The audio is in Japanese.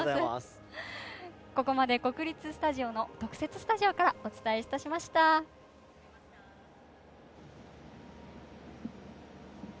ここまで国立競技場の特設スタジオからお伝えしました。